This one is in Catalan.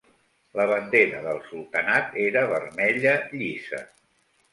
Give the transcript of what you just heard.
La bandera del sultanat era vermella llisa.